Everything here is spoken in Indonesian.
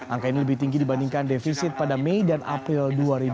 angka ini lebih tinggi dibandingkan defisit pada mei dan april dua ribu dua puluh